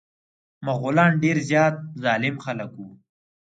مغولان ډير زيات ظالم خلک وه.